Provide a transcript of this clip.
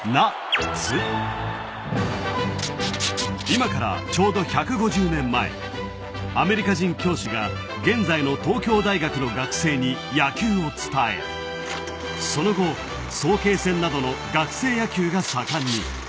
今からちょうど１５０年前アメリカ人教師が現在の東京大学の学生に野球を伝えその後、早慶戦などの学生野球が盛んに。